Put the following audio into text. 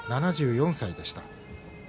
７４歳でした。